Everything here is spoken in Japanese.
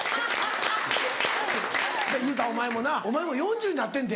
裕太お前もなお前もう４０になってんて？